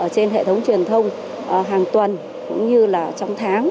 trên hệ thống truyền thông hàng tuần cũng như là trong tháng